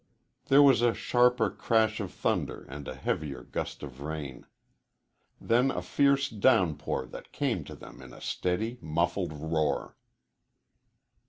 There was a sharper crash of thunder and a heavier gust of rain. Then a fierce downpour that came to them in a steady, muffled roar.